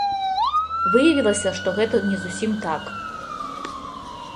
Выявілася, што гэта не зусім так.